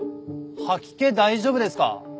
吐き気大丈夫ですか？